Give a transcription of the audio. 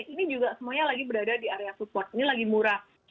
ini juga semuanya lagi berada di area support ini lagi murah